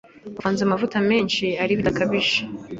wavanze n’amavuta menshi ari bidakabije